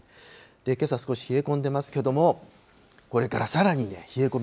けさ、少し冷え込んでますけれども、これからさらにね、冷え込み